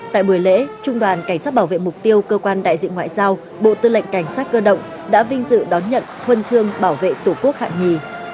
tại buổi lễ trung đoàn cảnh sát bảo vệ mục tiêu cơ quan đại diện ngoại giao bộ tư lệnh cảnh sát cơ động đã vinh dự đón nhận huân chương bảo vệ tổ quốc hạng nhì